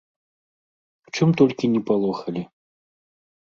Чым толькі ні палохалі.